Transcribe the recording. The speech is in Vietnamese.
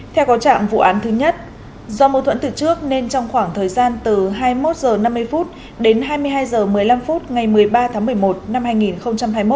theo có trạng vụ án thứ nhất do mâu thuẫn từ trước nên trong khoảng thời gian từ hai mươi một h năm mươi đến hai mươi hai h một mươi năm phút ngày một mươi ba tháng một mươi một năm hai nghìn hai mươi một